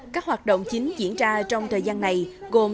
các hoạt động chính diễn ra trong thời gian này gồm